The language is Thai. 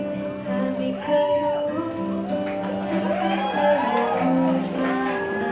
เพราะฉันรู้จะเสียน้ำตา